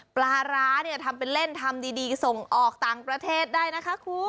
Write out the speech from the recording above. ปลาร้าเนี่ยทำเป็นเล่นทำดีส่งออกต่างประเทศได้นะคะคุณ